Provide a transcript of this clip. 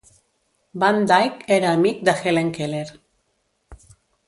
Van Dyke era amic de Helen Keller.